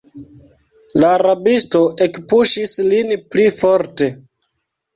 La rabisto ekpuŝis lin pli forte.